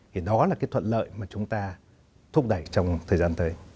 thì đó là cái thuận lợi mà chúng ta thúc đẩy trong thời gian tới